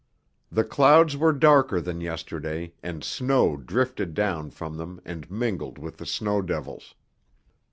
The clouds were darker than yesterday and snow drifted down from them and mingled with the snow devils.